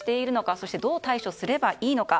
そして、どう対処すればいいのか。